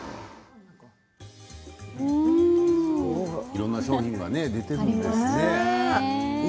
いろんな商品が出ているんですね。